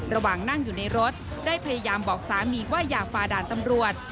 ระหว่างนั่งอยู่ในรถได้พยายามบอกสามีว่าอย่าฝ่าด่านตำรวจ